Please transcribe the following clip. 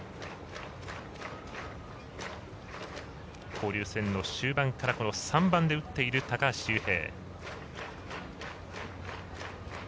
交流戦の終盤から３番で打っている高橋周平。